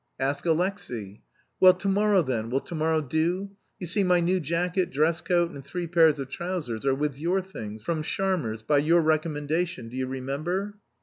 "Ask Alexey." "Well, to morrow, then, will to morrow do? You see my new jacket, dress coat and three pairs of trousers are with your things, from Sharmer's, by your recommendation, do you remember?"